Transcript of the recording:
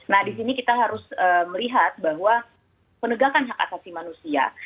nah di sini kita harus melihat bahwa penegakan hak asasi manusia